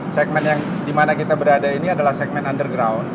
segmen yang dimana kita berada ini adalah segmen underground